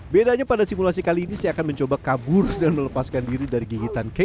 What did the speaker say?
bedanya pada simulasi kali ini saya akan mencoba kabur dan melepaskan diri dari gigitan ke